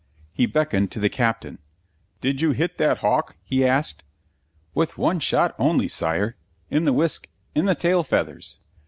He beckoned to the Captain. "Did you hit that hawk?" he asked. "With one shot only, Sire. In the whisk in the tail feathers."